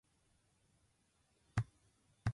人に気に入られるようにこびへつらうさま。